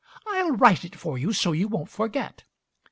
"I'll write it for you so you won't forget."